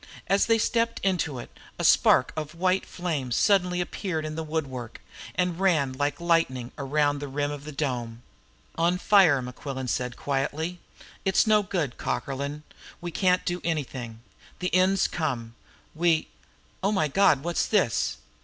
And as they stepped into it a spark of white flame suddenly appeared in the woodwork, and ran like lightning round the rim of the dome. "On fire!" said Mequillen quietly. "It's no good, Cockerlyne; we can't do anything. The end's come! We oh, my God, what's this?